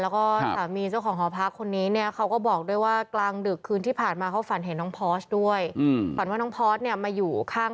แล้วก็มีเจ้าของหอพักคนนี้เนี่ยเขาก็บอกได้ว่ากลางดึกคืนที่ผ่านมาเข้าฝันแทนของพักด้วยแต่ว่ามาอยู่ข้าง